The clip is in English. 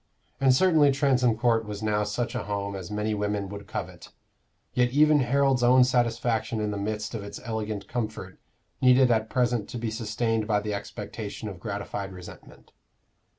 And certainly Transome Court was now such a home as many women would covet. Yet even Harold's own satisfaction in the midst of its elegant comfort needed at present to be sustained by the expectation of gratified resentment.